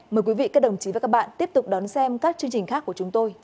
mời quý vị các đồng chí và các bạn tiếp tục đón xem các chương trình khác của chúng tôi